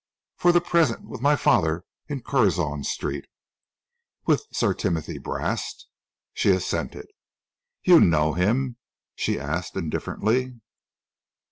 "For the present with my father in Curzon Street." "With Sir Timothy Brast?" She assented. "You know him?" she asked indifferently.